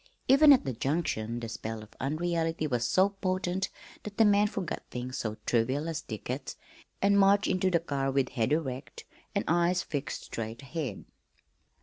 Even at the Junction the spell of unreality was so potent that the man forgot things so trivial as tickets, and marched into the car with head erect and eyes fixed straight ahead.